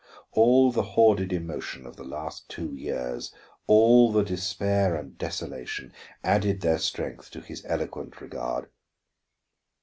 All the hoarded emotion of the last two years, all the despair and desolation, added their strength to his eloquent regard.